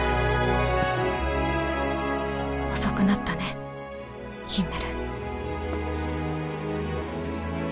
遅くなったねヒンメル。